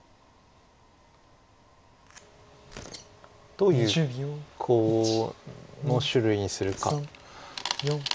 どういうコウの種類にするか。